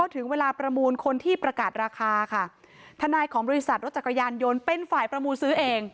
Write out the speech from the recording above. ถึงเวลาประมูลคนที่ประกาศราคาค่ะทนายของบริษัทรถจักรยานยนต์เป็นฝ่ายประมูลซื้อเอง